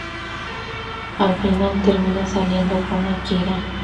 Al final termina saliendo con Akira.